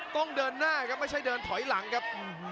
ต้องเดินหน้าครับไม่ใช่เดินถอยหลังครับ